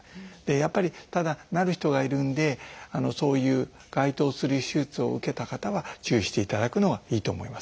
やっぱりただなる人がいるんでそういう該当する手術を受けた方は注意していただくのはいいと思います。